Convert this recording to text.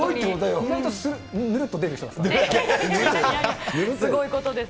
意外とぬるっとデビューしてすごいことです。